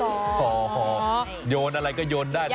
โอ้โหโยนอะไรก็โยนได้